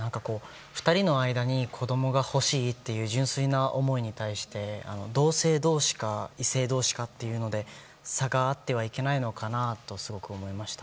２人の間に子供が欲しいっていう純粋な思いに対して同性同士か異性同士かというので差があってはいけないのかなとすごく思いました。